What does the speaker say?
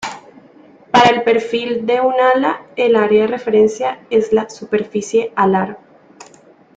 Para el perfil de un ala, el área de referencia es la superficie alar.